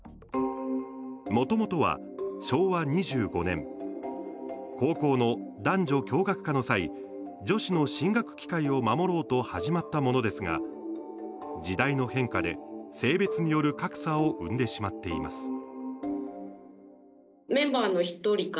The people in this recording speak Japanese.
もともとは昭和２５年高校の男女共学化の際女子の進学機会を守ろうと始まったものですが時代の変化で性別による格差を生んでしまっています。